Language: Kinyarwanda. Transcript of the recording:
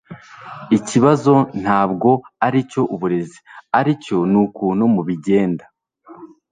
ikibazo ntabwo aricyo uburezi aricyo nukuntu mubigenda